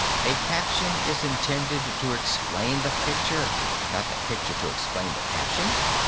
A caption is intended to explain the picture, not the picture to explain the caption.